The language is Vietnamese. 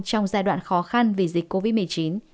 trong giai đoạn khó khăn vì dịch covid một mươi chín